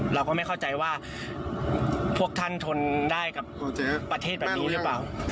เราก็ไม่เข้าใจว่าพวกท่านทนได้กับประเทศแบบนี้หรือเปล่า